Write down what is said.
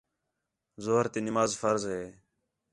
ظُہر تی نماز فرض ہِے